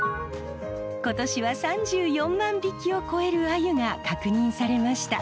今年は３４万匹を超えるアユが確認されました。